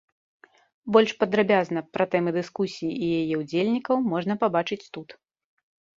Больш падрабязна пра тэмы дыскусіі і яе ўдзельнікаў можна пабачыць тут.